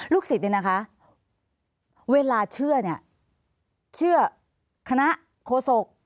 ลูกศิษย์นี่นะคะเวลาเชื่อเนี่ยเชื่อคณะโคศก